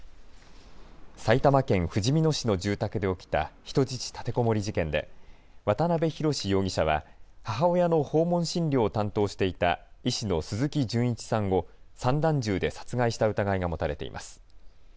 埼玉県ふじみ野市の住宅で起きた人質立てこもり事件で渡邊宏容疑者は母親の訪問診療を担当していた医師の鈴木純一さんを散弾銃で殺害した疑いが持たれています。